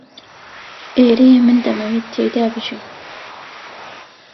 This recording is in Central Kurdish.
ئێرەیە من دەمەوێت تێیدا بژیم.